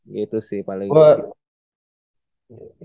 gitu sih paling gue